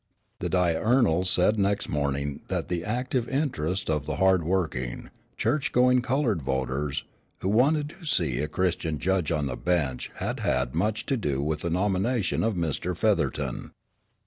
The Diurnal said next morning that the active interest of the hard working, church going colored voters, who wanted to see a Christian judge on the bench had had much to do with the nomination of Mr. Featherton.